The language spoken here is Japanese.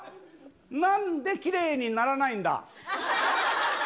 なんできれいにならないんだ。